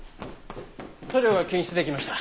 塗料が検出できました。